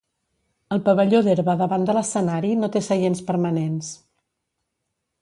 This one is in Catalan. El pavelló d'herba davant de l'escenari no te seients permanents.